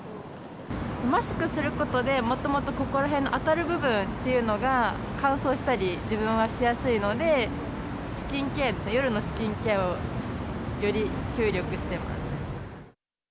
マスクすることで、もともと、ここら辺の当たる部分っていうのが、乾燥したり、自分はしやすいので、スキンケアですね、夜のスキンケアを、より注力してます。